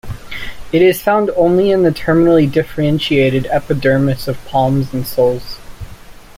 It is found only in the terminally differentiated epidermis of palms and soles.